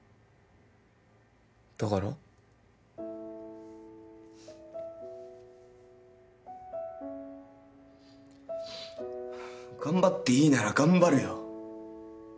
だから？頑張っていいなら頑張るよ。